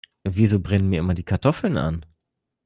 Wieso brennen mir immer die Kartoffeln an?